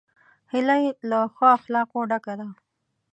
هیلۍ له ښو اخلاقو ډکه ده